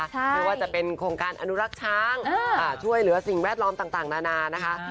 ไม่ว่าจะเป็นโครงการอนุรักษ์ช้างช่วยเหลือสิ่งแวดล้อมต่างนานานะคะ